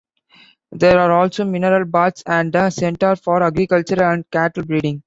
There are also Mineral Baths and a center for agriculture and cattle-breeding.